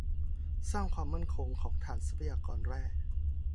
สร้างความมั่นคงของฐานทรัพยากรแร่